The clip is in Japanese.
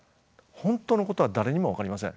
本当のことは誰にも分かりません。